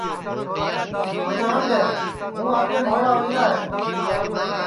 مِسکُو جاٹؔدؔے ہُوں آگے مھوڑا ہوئیرا ہے